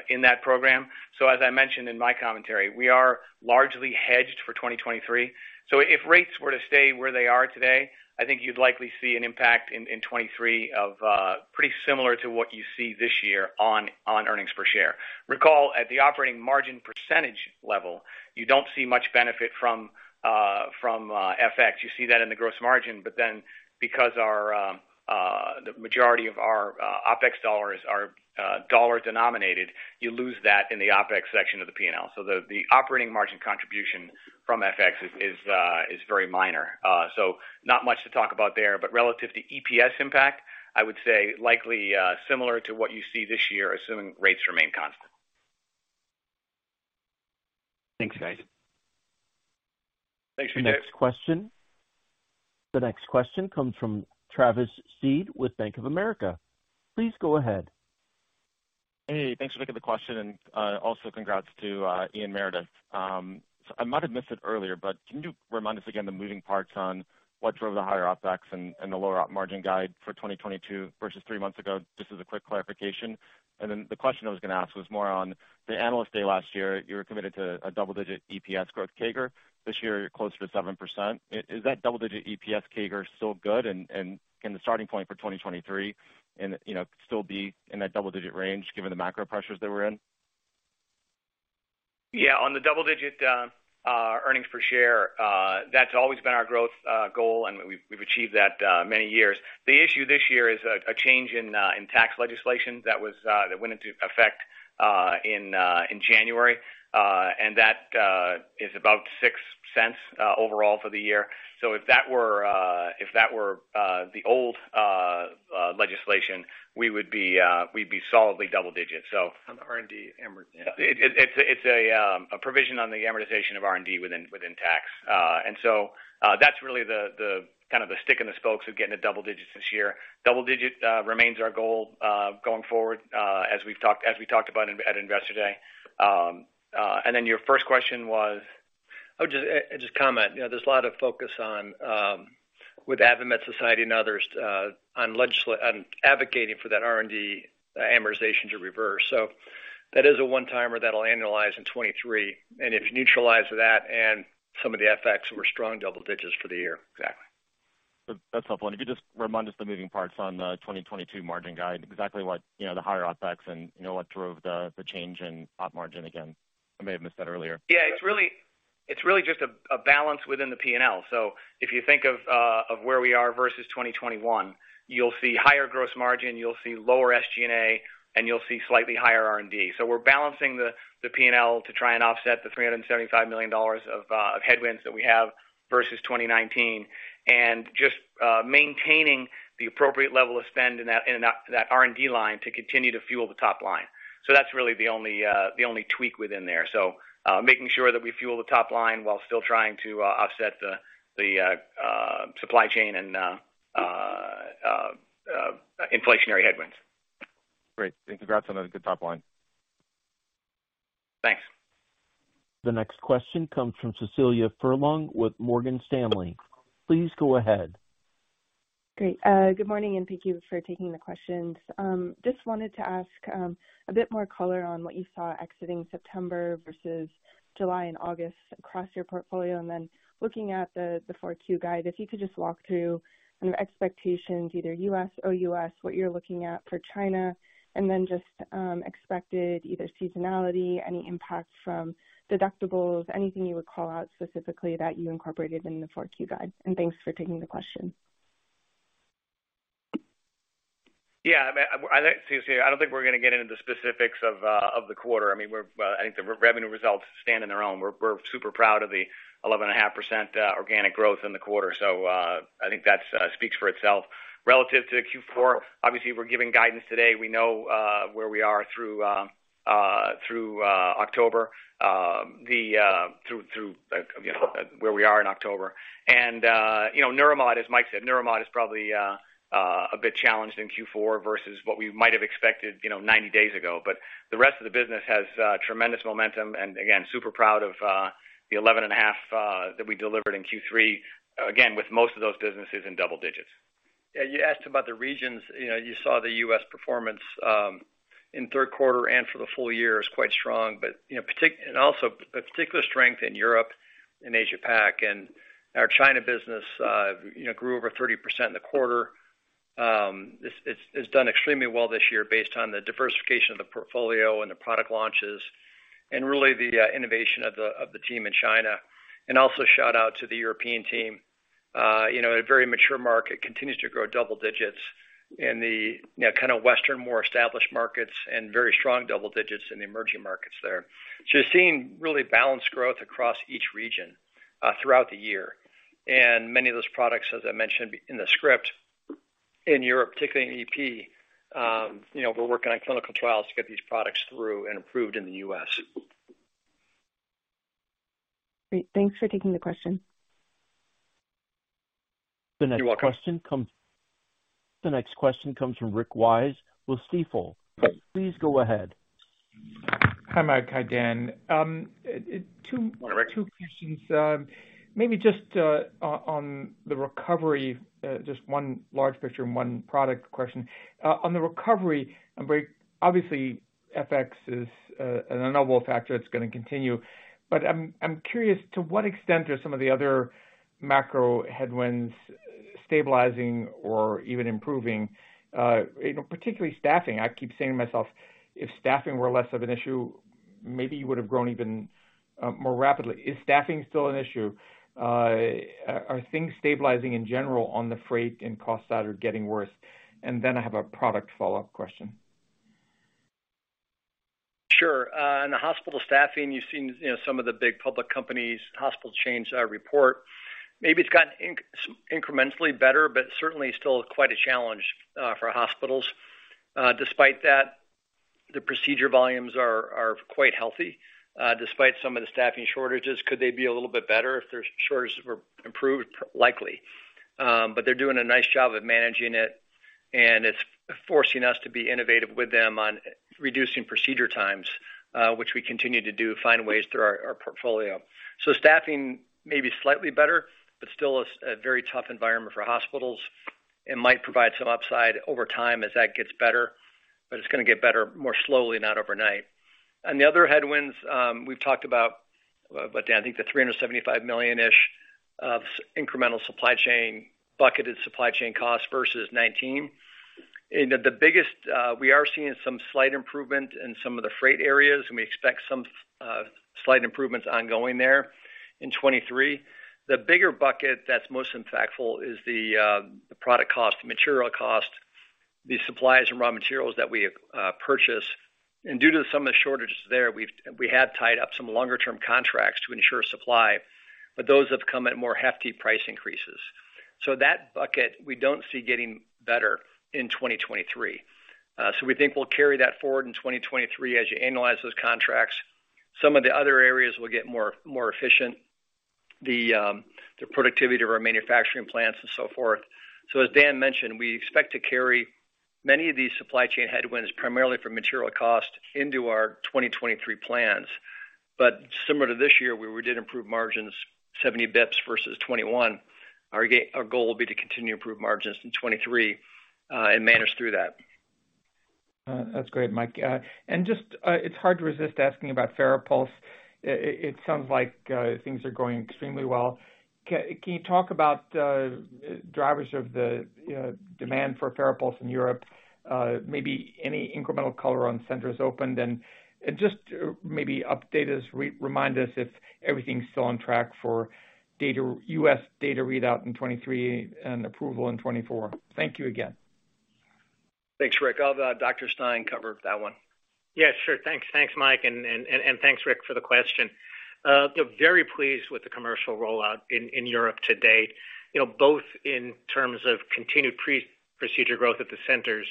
in that program. As I mentioned in my commentary, we are largely hedged for 2023. If rates were to stay where they are today, I think you'd likely see an impact in 2023 of pretty similar to what you see this year on earnings per share. Recall at the operating margin percentage level, you don't see much benefit from FX. You see that in the gross margin. Because the majority of our OpEx dollars are dollar denominated, you lose that in the OpEx section of the P&L. The operating margin contribution from FX is very minor. Not much to talk about there. Relative to EPS impact, I would say likely similar to what you see this year, assuming rates remain constant. Thanks, guys. Thanks, Vijay. The next question. The next question comes from Travis Steed with Bank of America. Please go ahead. Hey, thanks for taking the question and, also congrats to, Ian Meredith. I might have missed it earlier, but can you remind us again the moving parts on what drove the higher OpEx and the lower op margin guide for 2022 versus three months ago? Just as a quick clarification. The question I was gonna ask was more on the Analyst Day last year, you were committed to a double-digit EPS growth CAGR. This year you're closer to 7%. Is that double digit EPS CAGR still good and can the starting point for 2023 and, you know, still be in that double digit range given the macro pressures that we're in? Yeah. On the double-digit earnings per share, that's always been our growth goal, and we've achieved that many years. The issue this year is a change in tax legislation that went into effect in January. That is about $0.06 overall for the year. If that were the old legislation, we'd be solidly double-digit. On the R&D amortization. It's a provision on the amortization of R&D within tax. That's really the kind of the stick in the spokes of getting to double digits this year. Double digit remains our goal going forward, as we've talked about at Investor Day. Your first question was? I would just comment. You know, there's a lot of focus on with AdvaMed and others on advocating for that R&D amortization to reverse. That is a one-timer that'll annualize in 2023. If you neutralize that and some of the FX, we're strong double digits for the year. Exactly. That's helpful. If you just remind us the moving parts on the 2022 margin guide, exactly what, you know, the higher OpEx and, you know, what drove the change in Op margin again, I may have missed that earlier. Yeah, it's really just a balance within the P&L. If you think of where we are versus 2021, you'll see higher gross margin, you'll see lower SG&A, and you'll see slightly higher R&D. We're balancing the P&L to try and offset the $375 million of headwinds that we have versus 2019. Just maintaining the appropriate level of spend in that R&D line to continue to fuel the top line. That's really the only tweak within there. Making sure that we fuel the top line while still trying to offset the supply chain and inflationary headwinds. Great. Congrats on a good top line. Thanks. The next question comes from Cecilia Furlong with Morgan Stanley. Please go ahead. Good morning, and thank you for taking the questions. Just wanted to ask a bit more color on what you saw exiting September versus July and August across your portfolio. Looking at the 4Q guide, if you could just walk through some expectations, either U.S. or ex-U.S., what you're looking at for China. Just expected either seasonality, any impact from deductibles, anything you would call out specifically that you incorporated in the 4Q guide. Thanks for taking the question. Yeah. I, Cecilia, I don't think we're gonna get into the specifics of the quarter. I mean, I think the revenue results stand on their own. We're super proud of the 11.5% organic growth in the quarter. I think that speaks for itself. Relative to Q4, obviously, we're giving guidance today. We know where we are through October, you know, where we are in October. You know, Neuromod, as Mike said, Neuromod is probably a bit challenged in Q4 versus what we might have expected, you know, 90 days ago. The rest of the business has tremendous momentum. Again, super proud of the 11.5% that we delivered in Q3, again, with most of those businesses in double digits. Yeah, you asked about the regions. You know, you saw the U.S. performance in third quarter and for the full year is quite strong. You know, and also a particular strength in Europe and Asia Pac. Our China business, you know, grew over 30% in the quarter. It's done extremely well this year based on the diversification of the portfolio and the product launches and really the innovation of the team in China. Also shout out to the European team. You know, a very mature market continues to grow double digits in the, you know, kind of Western, more established markets and very strong double digits in the emerging markets there. You're seeing really balanced growth across each region throughout the year. Many of those products, as I mentioned in the script, in Europe, particularly in EP, you know, we're working on clinical trials to get these products through and approved in the U.S. Great. Thanks for taking the question. The next question comes. You're welcome. The next question comes from Rick Wise, Stifel. Please go ahead. Hi, Mike. Hi, Dan. Hi, Rick. Two questions. Maybe just on the recovery, just one large picture and one product question. On the recovery, obviously FX is an unknowable factor that's gonna continue. I'm curious to what extent are some of the other macro headwinds stabilizing or even improving, you know, particularly staffing. I keep saying to myself, if staffing were less of an issue, maybe you would have grown even more rapidly. Is staffing still an issue? Are things stabilizing in general on the freight and costs that are getting worse? I have a product follow-up question. Sure. In the hospital staffing, you've seen, you know, some of the big public companies hospital chains report. Maybe it's gotten incrementally better, but certainly still quite a challenge for hospitals. Despite that, the procedure volumes are quite healthy despite some of the staffing shortages. Could they be a little bit better if their shortages were improved? Likely. They're doing a nice job of managing it, and it's forcing us to be innovative with them on reducing procedure times, which we continue to do, find ways through our portfolio. Staffing may be slightly better, but still a very tough environment for hospitals and might provide some upside over time as that gets better, but it's gonna get better more slowly, not overnight. On the other headwinds, we've talked about, Dan, I think the $375 million-ish of incremental supply chain, bucketed supply chain costs versus 2019. The biggest, we are seeing some slight improvement in some of the freight areas, and we expect some slight improvements ongoing there in 2023. The bigger bucket that's most impactful is the product cost, material cost, the supplies and raw materials that we purchase. Due to some of the shortages there, we had tied up some longer term contracts to ensure supply, but those have come at more hefty price increases. That bucket we don't see getting better in 2023. We think we'll carry that forward in 2023 as you annualize those contracts. Some of the other areas will get more efficient, the productivity of our manufacturing plants and so forth. As Dan mentioned, we expect to carry many of these supply chain headwinds primarily from material cost into our 2023 plans. Similar to this year, where we did improve margins 70 basis points versus 2021, our goal will be to continue to improve margins in 2023 and manage through that. That's great, Mike. And just, it's hard to resist asking about FARAPULSE. It sounds like things are going extremely well. Can you talk about drivers of the demand for FARAPULSE in Europe? Maybe any incremental color on centers opened, and just maybe update us, remind us if everything's still on track for data US data readout in 2023 and approval in 2024. Thank you again. Thanks, Rick. I'll have Dr. Stein cover that one. Yeah, sure. Thanks. Thanks, Mike, and thanks, Rick, for the question. Very pleased with the commercial rollout in Europe to date, you know, both in terms of continued pre-procedure growth at the centers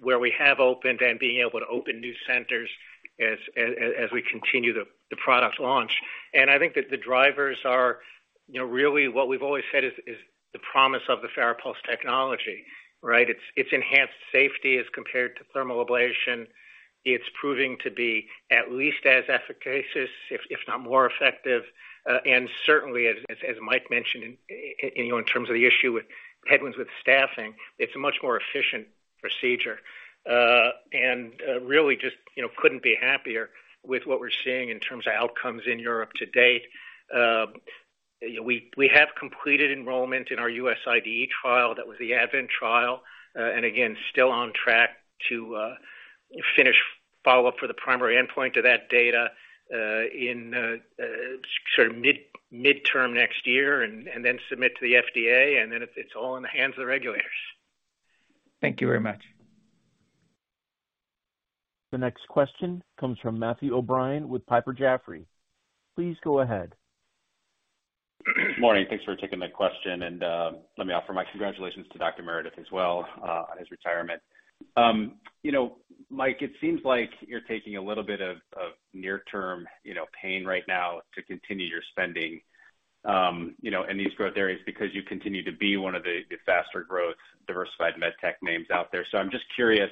where we have opened and being able to open new centers as we continue the product launch. I think that the drivers are, you know, really what we've always said is the promise of the FARAPULSE technology, right? It's enhanced safety as compared to thermal ablation. It's proving to be at least as efficacious, if not more effective. And certainly as Mike mentioned in, you know, in terms of the issue with headwinds with staffing, it's a much more efficient procedure. Really just, you know, couldn't be happier with what we're seeing in terms of outcomes in Europe to date. We have completed enrollment in our US IDE trial. That was the ADVENT trial, and again, still on track to finish follow-up for the primary endpoint of that data, in sort of mid-term next year and then submit to the FDA, and then it's all in the hands of the regulators. Thank you very much. The next question comes from Matthew O'Brien with Piper Sandler. Please go ahead. Morning. Thanks for taking my question, and let me offer my congratulations to Dr. Meredith as well on his retirement. You know, Mike, it seems like you're taking a little bit of near-term pain right now to continue your spending, you know, in these growth areas because you continue to be one of the faster growth diversified med tech names out there. I'm just curious,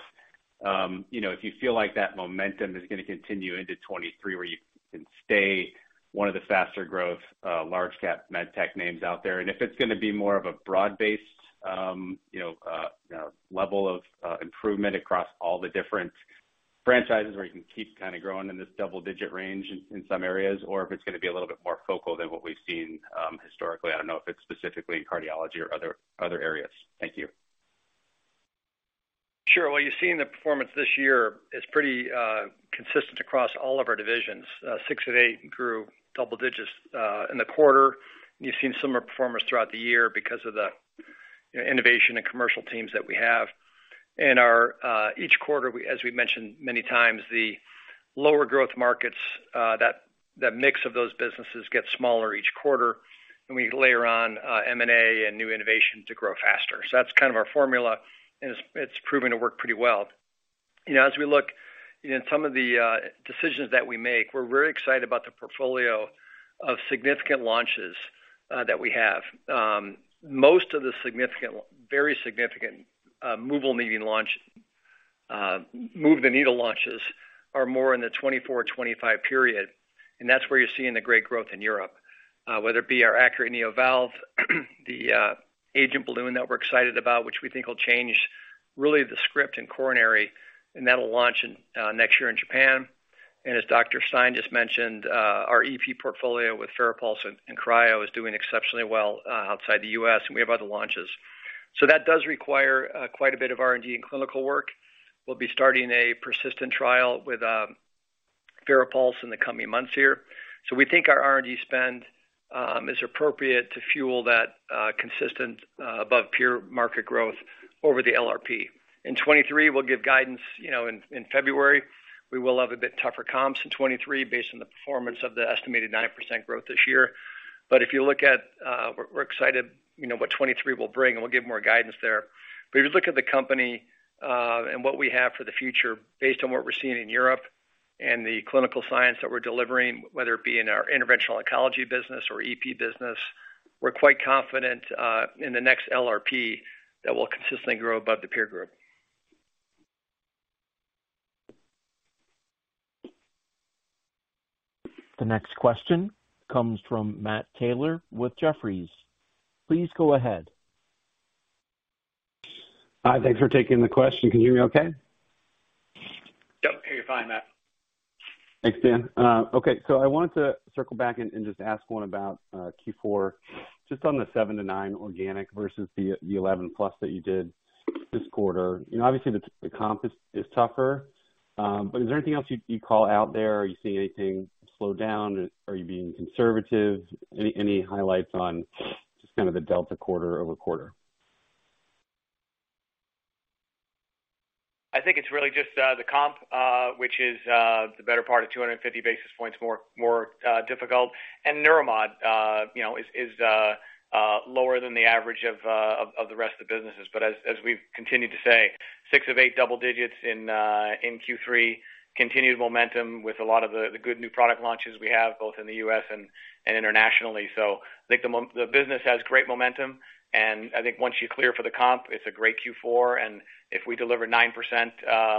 you know, if you feel like that momentum is gonna continue into 2023 where you can stay one of the faster growth, large cap med tech names out there, and if it's gonna be more of a broad-based, you know, level of improvement across all the different franchises where you can keep kinda growing in this double-digit range in some areas, or if it's gonna be a little bit more focal than what we've seen, historically. I don't know if it's specifically in cardiology or other areas. Thank you. Sure. Well, you've seen the performance this year is pretty consistent across all of our divisions. Six of eight grew double digits in the quarter. You've seen similar performance throughout the year because of the, you know, innovation and commercial teams that we have. How each quarter, as we've mentioned many times, the lower growth markets that mix of those businesses gets smaller each quarter, and we layer on M&A and new innovation to grow faster. That's kind of our formula, and it's proven to work pretty well. You know, as we look in some of the decisions that we make, we're very excited about the portfolio of significant launches that we have. Most of the significant, very significant, move-the-needle launches are more in the 2024-2025 period, and that's where you're seeing the great growth in Europe, whether it be our ACURATE neo valve, the AGENT balloon that we're excited about, which we think will change really the script in coronary, and that'll launch in next year in Japan. As Dr. Stein just mentioned, our EP portfolio with FARAPULSE and Cryo is doing exceptionally well outside the U.S., and we have other launches. That does require quite a bit of R&D and clinical work. We'll be starting a persistent trial with FARAPULSE in the coming months here. We think our R&D spend is appropriate to fuel that consistent above peer market growth over the LRP. In 2023, we'll give guidance, you know, in February. We will have a bit tougher comps in 2023 based on the performance of the estimated 9% growth this year. If you look at, we're excited, you know, what 2023 will bring, and we'll give more guidance there. If you look at the company and what we have for the future based on what we're seeing in Europe and the clinical science that we're delivering, whether it be in our interventional oncology business or EP business, we're quite confident in the next LRP that we'll consistently grow above the peer group. The next question comes from Matthew Taylor with Jefferies. Please go ahead. Hi, thanks for taking the question. Can you hear me okay? Yep. Can hear you fine, Matt. Thanks, Dan. Okay. I wanted to circle back and just ask one about Q4 just on the 7%-9% organic versus the 11%+ that you did this quarter. You know, obviously the comp is tougher, but is there anything else you'd call out there? Are you seeing anything slow down? Are you being conservative? Any highlights on just kind of the delta quarter-over-quarter? I think it's really just the comp, which is the better part of 250 basis points more difficult. Neuromod, you know, is lower than the average of the rest of the businesses. As we've continued to say, six of eight double digits in Q3, continued momentum with a lot of the good new product launches we have both in the US and internationally. I think the business has great momentum, and I think once you clear for the comp, it's a great Q4. If we deliver 9%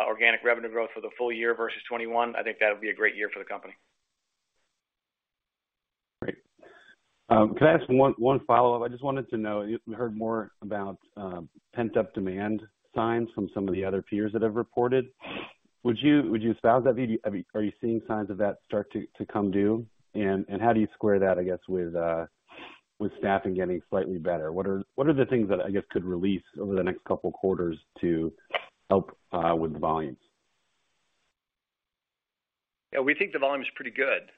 organic revenue growth for the full year versus 2021, I think that'll be a great year for the company. Great. Can I ask one follow-up? I just wanted to know, you heard more about pent-up demand signs from some of the other peers that have reported. Would you establish that? Are you seeing signs of that start to come due? And how do you square that, I guess, with staffing getting slightly better? What are the things that I guess could release over the next couple of quarters to help with volumes? Yeah, we think the volume is pretty good.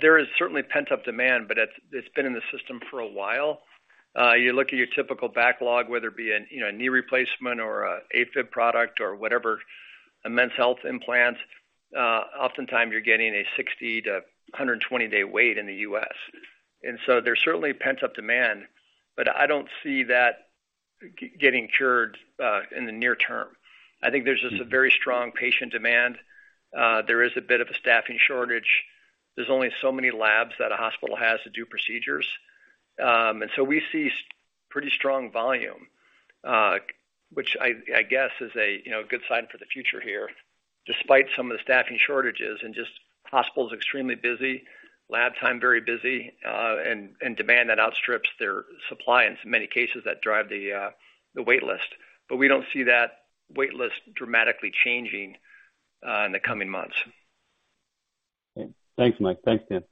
There is certainly pent-up demand, but it's been in the system for a while. You look at your typical backlog, whether it be you know a knee replacement or a AFib product or whatever, a men's health implant, oftentimes you're getting a 60- to 120-day wait in the U.S. There's certainly pent-up demand, but I don't see that getting cured in the near term. I think there's just a very strong patient demand. There is a bit of a staffing shortage. There's only so many labs that a hospital has to do procedures. We see pretty strong volume, which I guess is a, you know, good sign for the future here, despite some of the staffing shortages and just hospitals extremely busy, lab time very busy, and demand that outstrips their supply in so many cases that drive the wait list. We don't see that wait list dramatically changing in the coming months. Okay. Thanks, Mike. Thanks, Dan.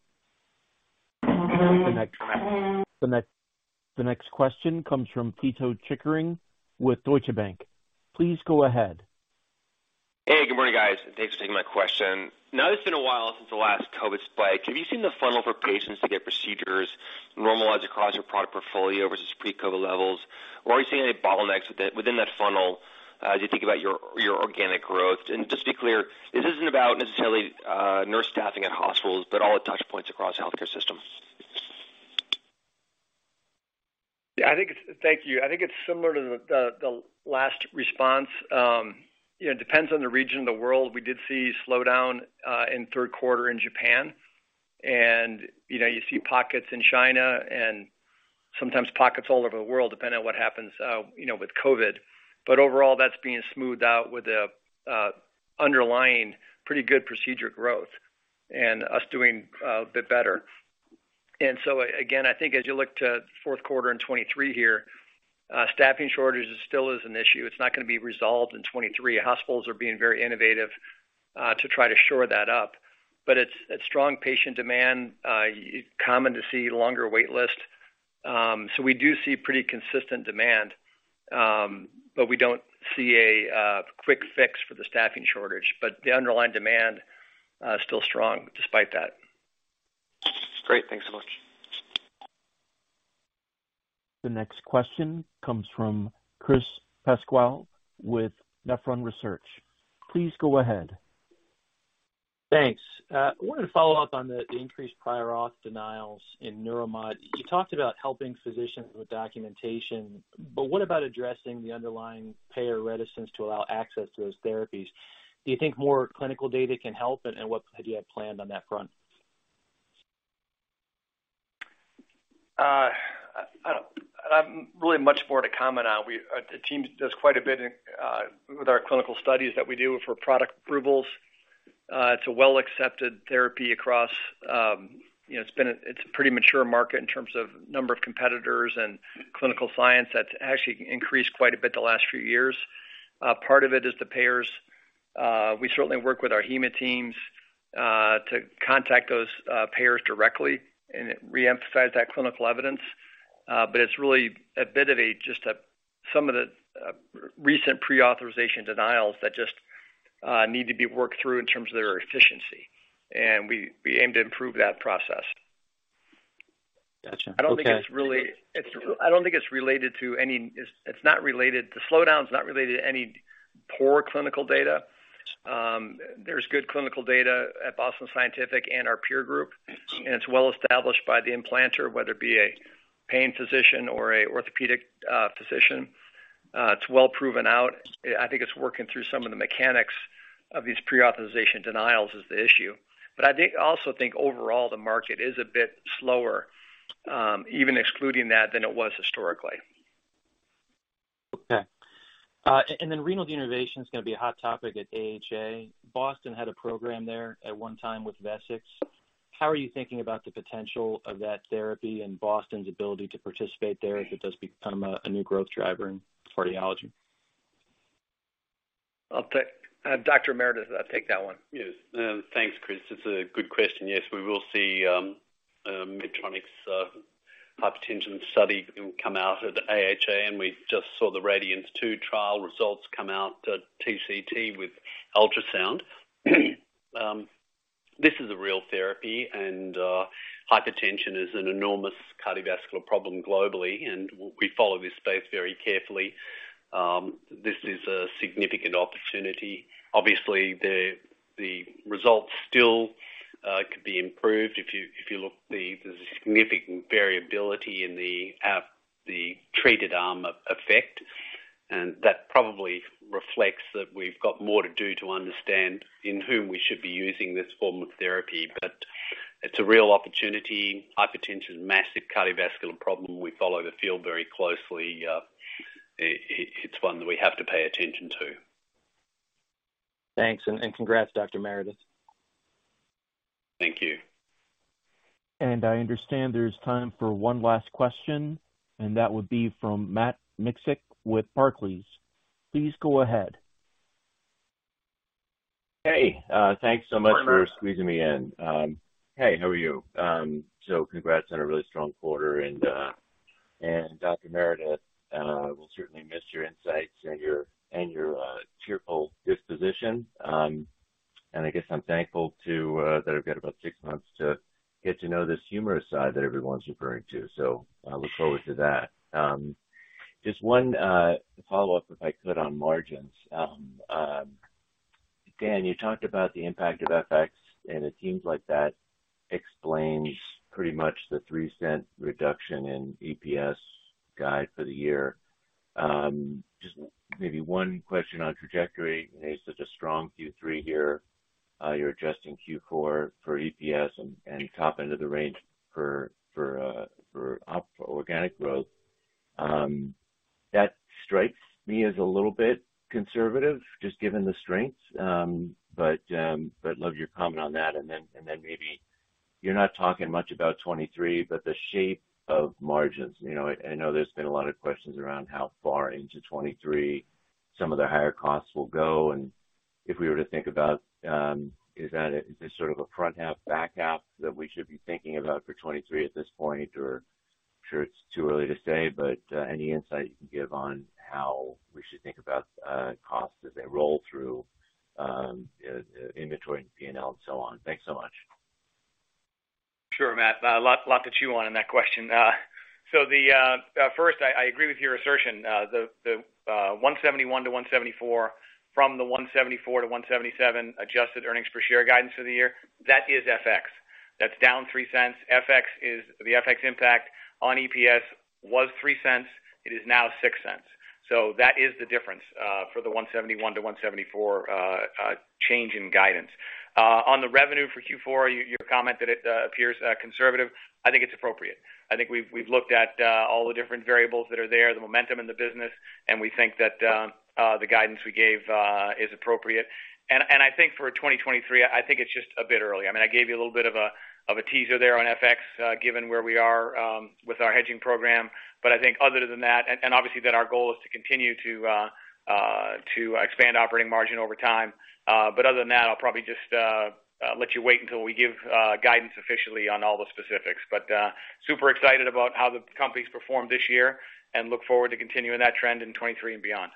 The next question comes from Pito Chickering with Deutsche Bank. Please go ahead. Hey, good morning, guys. Thanks for taking my question. Now, it's been a while since the last COVID spike. Have you seen the funnel for patients to get procedures normalize across your product portfolio versus pre-COVID levels? Or are you seeing any bottlenecks within that funnel as you think about your organic growth? Just to be clear, this isn't about necessarily nurse staffing at hospitals, but all the touch points across healthcare systems. Yeah, I think it's. Thank you. I think it's similar to the last response. You know, it depends on the region of the world. We did see a slowdown in third quarter in Japan. You know, you see pockets in China and sometimes pockets all over the world, depending on what happens, you know, with COVID. But overall, that's being smoothed out with the underlying pretty good procedure growth and us doing a bit better. Again, I think as you look to fourth quarter in 2023 here, staffing shortage is still an issue. It's not going to be resolved in 2023. Hospitals are being very innovative to try to shore that up. But it's strong patient demand, common to see longer wait list. We do see pretty consistent demand, but we don't see a quick fix for the staffing shortage. The underlying demand is still strong despite that. Great. Thanks so much. The next question comes from Chris Pasquale with Nephron Research. Please go ahead. Thanks. I wanted to follow up on the increased prior auth denials in Neuromodulation. You talked about helping physicians with documentation, but what about addressing the underlying payer reticence to allow access to those therapies? Do you think more clinical data can help and what do you have planned on that front? Not really much more to comment on. We the team does quite a bit in with our clinical studies that we do for product approvals. It's a well-accepted therapy across, you know, it's a pretty mature market in terms of number of competitors and clinical science that's actually increased quite a bit the last few years. Part of it is the payers. We certainly work with our HEMA teams to contact those payers directly and reemphasize that clinical evidence. But it's really a bit of just some of the recent prior authorization denials that just need to be worked through in terms of their efficiency. We aim to improve that process. Got you. Okay. I don't think it's related to any. It's not related. The slowdown is not related to any poor clinical data. There's good clinical data at Boston Scientific and our peer group, and it's well established by the implanter, whether it be a pain physician or a orthopedic physician. It's well proven out. I think it's working through some of the mechanics of these pre-authorization denials is the issue. I did also think overall the market is a bit slower, even excluding that than it was historically. Okay. Renal denervation is gonna be a hot topic at AHA. Boston had a program there at one time with Vessix. How are you thinking about the potential of that therapy and Boston's ability to participate there as it does become a new growth driver in cardiology? I'll take, Dr. Meredith, take that one. Yes. Thanks, Chris. It's a good question. Yes, we will see Medtronic's hypertension study come out at AHA, and we just saw the RADIANCE II trial results come out at TCT with ultrasound. This is a real therapy and hypertension is an enormous cardiovascular problem globally, and we follow this space very carefully. This is a significant opportunity. Obviously, the results still could be improved. If you look, there's a significant variability in the treated arm effect, and that probably reflects that we've got more to do to understand in whom we should be using this form of therapy. It's a real opportunity. Hypertension is a massive cardiovascular problem. We follow the field very closely. It's one that we have to pay attention to. Thanks. Congrats, Dr. Meredith. Thank you. I understand there's time for one last question, and that would be from Matt Miksic with Barclays. Please go ahead. Hey, thanks so much for squeezing me in. Hey, how are you? Congrats on a really strong quarter. Dr. Meredith, we'll certainly miss your insights and your cheerful disposition. I guess I'm thankful that I've got about six months to get to know this humorous side that everyone's referring to. I look forward to that. Just one follow-up, if I could, on margins. Dan, you talked about the impact of FX and it seems like that explains pretty much the $0.03 reduction in EPS guide for the year. Just maybe one question on trajectory. You had such a strong Q3 here. You're adjusting Q4 for EPS and top end of the range for organic growth. That strikes me as a little bit conservative, just given the strength. But love your comment on that. Then maybe you're not talking much about 2023, but the shape of margins. You know, I know there's been a lot of questions around how far into 2023 some of the higher costs will go. If we were to think about, is this sort of a front half, back half that we should be thinking about for 2023 at this point? Or I'm sure it's too early to say, but any insight you can give on how we should think about costs as they roll through, inventory, P&L and so on. Thanks so much. Sure, Matt. A lot to chew on in that question. First, I agree with your assertion. The $1.71-$1.74 from the $1.74-$1.77 adjusted earnings per share guidance for the year, that is FX. That's down $0.03. FX, the FX impact on EPS was $0.03, it is now $0.06. So that is the difference for the $1.71-$1.74 change in guidance. On the revenue for Q4, your comment that it appears conservative, I think it's appropriate. I think we've looked at all the different variables that are there, the momentum in the business, and we think that the guidance we gave is appropriate. I think for 2023, I think it's just a bit early. I mean, I gave you a little bit of a teaser there on FX, given where we are with our hedging program. I think other than that, obviously our goal is to continue to expand operating margin over time. Other than that, I'll probably just let you wait until we give guidance officially on all the specifics. Super excited about how the company's performed this year and look forward to continuing that trend in 2023 and beyond.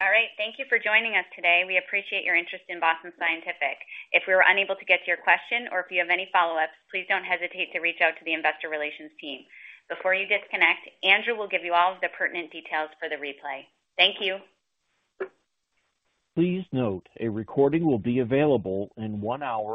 All right. Thank you for joining us today. We appreciate your interest in Boston Scientific. If we were unable to get to your question or if you have any follow-ups, please don't hesitate to reach out to the investor relations team. Before you disconnect, Andrew will give you all of the pertinent details for the replay. Thank you. Please note a recording will be available in one hour.